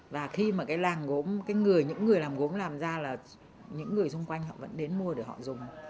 và khi mà cái làng gốm cái người những người làm gốm làm ra là những người xung quanh họ vẫn đến mua để họ dùng